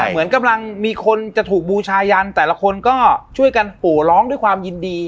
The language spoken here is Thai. เหมือนกำลังมีคนจะถูกบูชายันแต่ละคนก็ช่วยกันโหร้องด้วยความยินดี